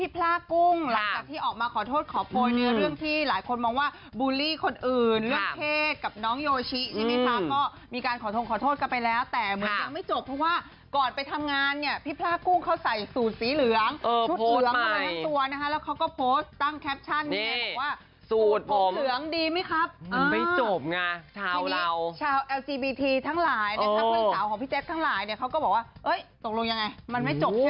ทั้งหลายเนี่ยทั้งคุณสาวของพี่แจ๊คทั้งหลายเนี่ยเขาก็บอกว่าเอ๊ะตกลงยังไงมันไม่จบใช่ไหม